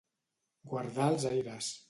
Guardar els aires.